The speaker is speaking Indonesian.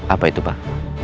apa itu pak